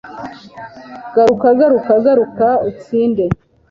garuka garuka garuka utsinde